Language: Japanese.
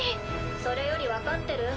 それより分かってる？